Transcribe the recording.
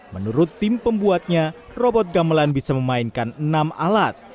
menurut tim pembuatnya robot gamelan bisa memainkan enam alat